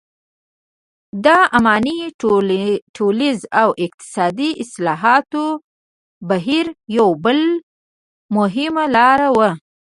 د اماني ټولنیز او اقتصادي اصلاحاتو بهیر یو بل مهم لامل و.